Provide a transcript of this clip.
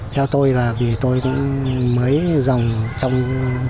theo tôi là vì tôi mới dòng trồng